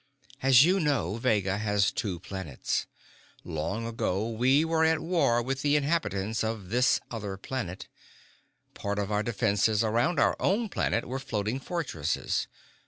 "As you know, Vega has two planets. Long ago we were at war with the inhabitants of this other planet. Part of our defenses around our own planet were floating fortresses.